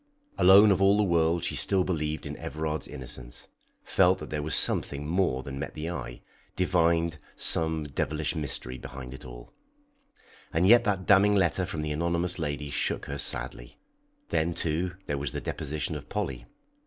Alone of all the world she still believed in Everard's innocence, felt that there was something more than met the eye, divined some devilish mystery behind it all. And yet that damning letter from the anonymous lady shook her sadly. Then, too, there was the deposition of Polly.